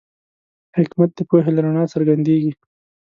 حکمت د پوهې له رڼا څرګندېږي.